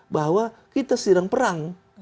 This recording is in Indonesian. bahwa kita sedang perang